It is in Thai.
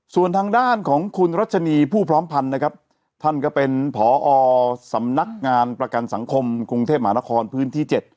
ส่วนทางด้านของคุณรัชนีผู้พร้อมพันธ์นะครับท่านก็เป็นผอสำนักงานประกันสังคมกรุงเทพหมานครพื้นที่เจ็ด